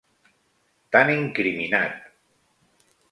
T'han incriminat!